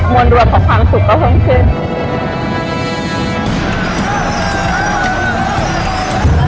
วนรวมของความสุขก็เพิ่มขึ้น